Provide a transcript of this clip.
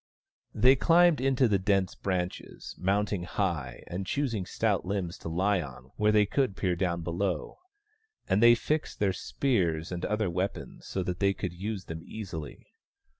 They climbed up into the dense branches, mount ing high, and choosing stout limbs to lie on where they could peer down below ; and they fixed their spears and other weapons so that they could use them easily.